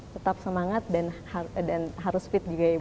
tetap semangat dan harus fit juga ya ibu